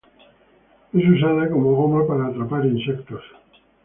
Es usada como goma para atrapar insectos.